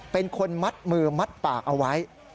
เป็นคนมัดมือมัดปากเอาไว้